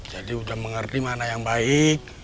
jadi udah mengerti mana yang baik